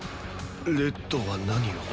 レッドは何を？